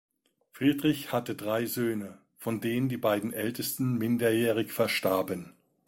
Friedrich hatte drei Söhne, von denen die beiden ältesten minderjährig verstarben.